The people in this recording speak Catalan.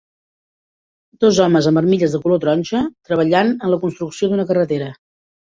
Dos homes amb armilles de color taronja treballant en la construcció d'una carretera.